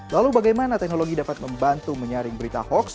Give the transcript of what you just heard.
lalu bagaimana teknologi dapat membantu menyaring berita hoax